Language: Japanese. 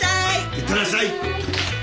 いってらっしゃい。